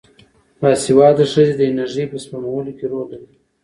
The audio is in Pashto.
باسواده ښځې د انرژۍ په سپمولو کې رول لري.